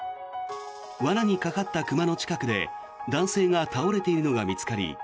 罠にかかった熊の近くで男性が倒れているのが見つかり